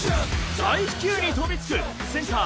大飛球に飛びつくセンター